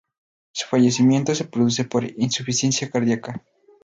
Su fallecimiento se produce por insuficiencia cardíaca.